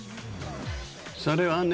それはね。